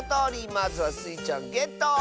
まずはスイちゃんゲット！